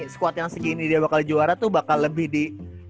squad yang segini dia bakal juara tuh bakal lebih di